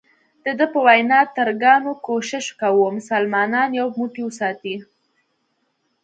دده په وینا ترکانو کوښښ کاوه مسلمانان یو موټی وساتي.